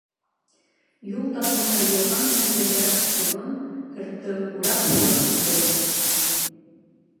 Юл таҫмаһы йылға менән бергә оҙон һыртты урап-һурап үтә ине.